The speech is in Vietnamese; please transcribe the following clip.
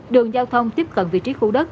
đường giao thông tiếp cận vị trí khu đất